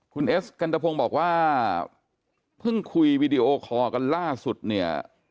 คุณเอสกันตะพงศ์บอกว่าเพิ่งคุยวีดีโอคอลกันล่าสุดเนี่ย